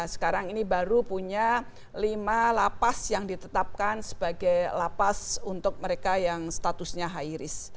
sekarang ini baru punya lima lapas yang ditetapkan sebagai lapas untuk mereka yang statusnya high risk